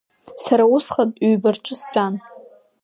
Сара усҟан ҩба рҿы стәан.